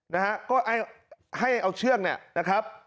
นะฮะก็ให้เอาเชือกนะครับ